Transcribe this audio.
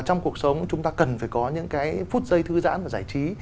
trong cuộc sống chúng ta cần phải có những cái phút giây thư giãn và giải trí